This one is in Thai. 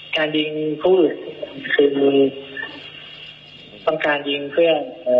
การยิงผู้อื่นคือต้องการยิงเพื่อ